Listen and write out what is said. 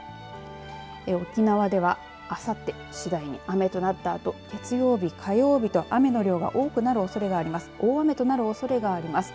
沖縄ではあさって次第に雨となったあと月曜日、火曜日と雨の量が多くなるおそれがあります。